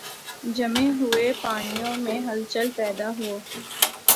جمے ہوئے پانیوں میں ہلچل پیدا ہو۔